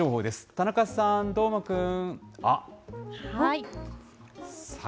田中さん、どーもくん。